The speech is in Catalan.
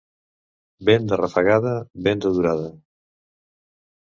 Vent de rafegada, vent de durada.